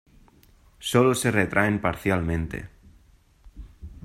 Sólo se retraen parcialmente.